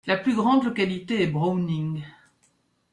La plus grande localité est Browning.